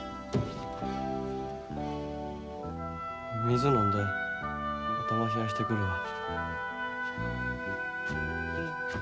水飲んで頭冷やしてくるわ。